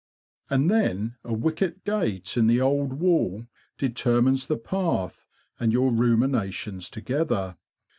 And then a wicket gate in the old wall determines the path and your ruminations together.